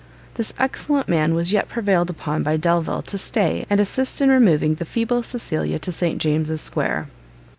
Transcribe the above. This excellent man was yet prevailed upon by Delvile to stay and assist in removing the feeble Cecilia to St James's square.